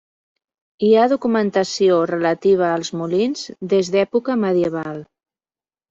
Hi ha documentació relativa als molins des d'època medieval.